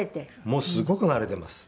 もうすごく慣れてます。